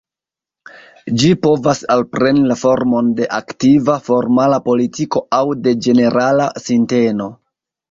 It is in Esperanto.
Ĝi povas alpreni la formon de aktiva, formala politiko aŭ de ĝenerala sinteno.